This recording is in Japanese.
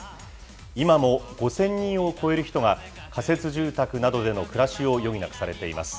今も５０００人を超える人が、仮設住宅などでの暮らしを余儀なくされています。